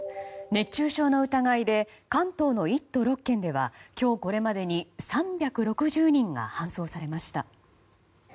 熱中症の疑いで関東の１都６県では今日これまでに３６０人が搬送されました。